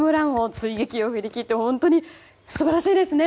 追撃を振り切って本当に素晴らしいですね！